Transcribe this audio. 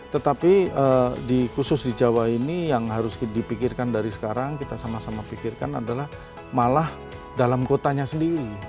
tetapi khusus di jawa ini yang harus dipikirkan dari sekarang kita sama sama pikirkan adalah malah dalam kotanya sendiri